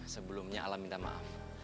sebelumnya alam minta maaf